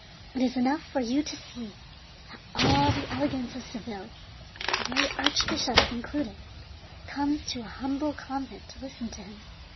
It is enough for you to see that all the elegance of Seville, the very archbishop included, comes to a humble convent to listen to him.